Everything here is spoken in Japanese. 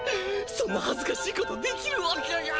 そんなはずかしいことできるわけが。